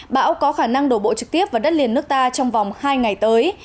bão có khả năng đổ bộ trực tiếp vào đất liền nước ta trong vòng hai ngày tới